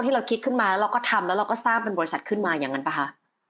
เราคิดขึ้นมาแล้วเราก็ทำแล้วเราก็สร้างเป็นบริษัทขึ้นมาอย่างนั้นป่ะคะ